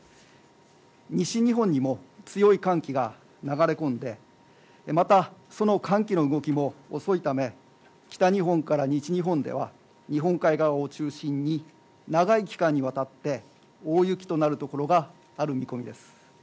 西日本にも強い寒気が流れ込んで、また、その寒気の動きも遅いため北日本から西日本では日本海側を中心に長い期間にわたって大雪となる所がある見込みです。